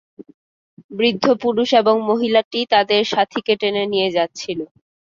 বৃদ্ধ পুরুষ এবং মহিলাটি তাদের সাথিকে টেনে নিয়ে যাচ্ছিল।